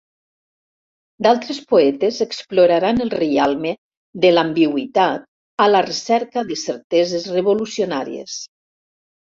D'altres poetes exploraran el reialme de l'ambigüitat a la recerca de certeses revolucionàries.